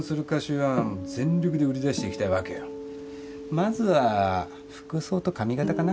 まずは服装と髪形かな。